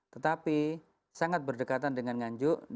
tetapi sangat berdekatan dengan nganjuk